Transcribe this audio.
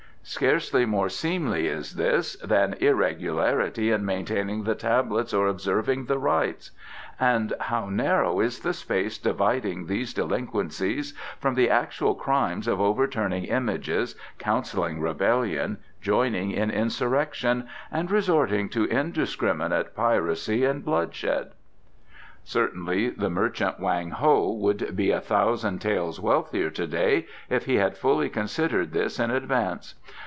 Scarcely more seemly is this than irregularity in maintaining the Tablets or observing the Rites; and how narrow is the space dividing these delinquencies from the actual crimes of overturning images, counselling rebellion, joining in insurrection and resorting to indiscriminate piracy and bloodshed. Certainly the merchant Wang Ho would be a thousand taels wealthier to day if he had fully considered this in advance.